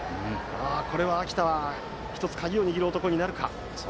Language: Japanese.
これは秋田は１つ鍵を握る男になるか。